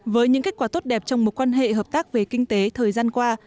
với những kết quả tốt đẹp trong mối quan hệ hợp tác về kinh tế thời gian qua